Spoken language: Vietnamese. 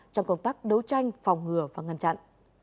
trong công tác đấu tranh phòng ngừa và ngăn chặn